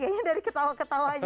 kayaknya dari ketawa ketawanya